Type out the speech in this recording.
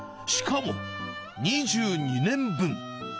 しかも２２年分。